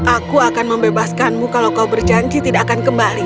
aku akan membebaskanmu kalau kau berjanji tidak akan kembali